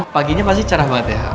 paginya pasti cerah banget ya